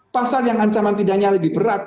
pasal yang ancaman pidananya lebih berat